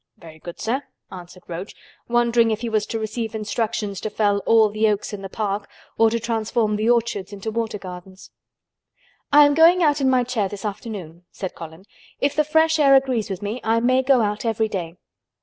"Very good, sir," answered Roach, wondering if he was to receive instructions to fell all the oaks in the park or to transform the orchards into water gardens. "I am going out in my chair this afternoon," said Colin. "If the fresh air agrees with me I may go out every day.